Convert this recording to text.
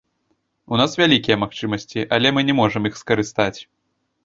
У нас вялікія магчымасці, але мы не можам іх скарыстаць.